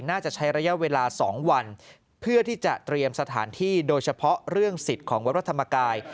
น่าจะใช้ระยะเวลา๒วันเพื่อที่จะเตรียมสถานที่โดยเฉพาะเรื่องสิทธิ์ของวัดพระธรรมกาย